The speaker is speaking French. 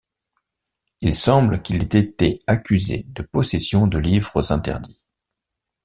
Il semble qu'il ait été accusé de possession de livres interdits.